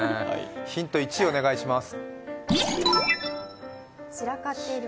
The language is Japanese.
ヒント１をお願いします。